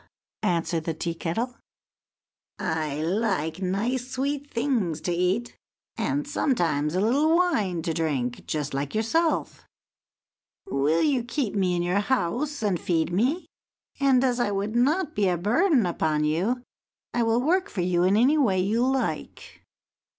answered the Tea kettle; "I like nice sweet things to eat, and sometimes a little wine to drink, just like yourself. Will you keep me in your house and feed me? And, as I would not be a burden upon you, I will work for you in any way you like."